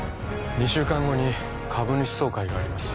２週間後に株主総会があります